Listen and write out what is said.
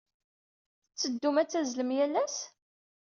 Tetteddum ad tazzlem yal ass?